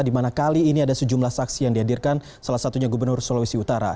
di mana kali ini ada sejumlah saksi yang dihadirkan salah satunya gubernur sulawesi utara